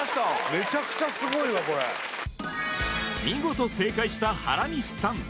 めちゃくちゃすごいわこれ見事正解した原西さん